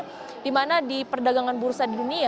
jadi ini adalah pencapaian yang baru bagi bursa efek indonesia